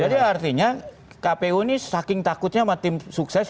jadi artinya kpu ini saking takutnya sama tim sukses